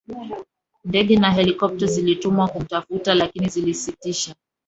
Ndege na helikopta zilitumwa kumtafuta lakini zilisitisha